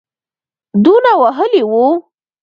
دونه وهلی وو.